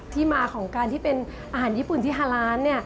ที่มาของการที่เป็นอาหารญี่ปุ่นที่ฮาลานซ์